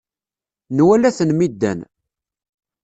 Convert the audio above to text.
Nwala-ten mi ddan.